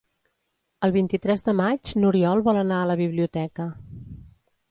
El vint-i-tres de maig n'Oriol vol anar a la biblioteca.